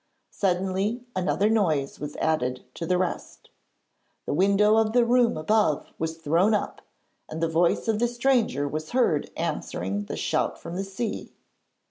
Suddenly another noise was added to the rest. The window of the room above was thrown up, and the voice of the stranger was heard answering the shout from the sea.